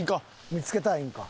見つけたらいいんか。